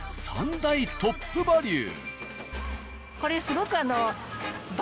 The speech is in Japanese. ３大トップバリュ。